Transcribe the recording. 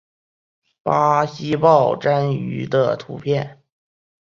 巴西豹蟾鱼的图片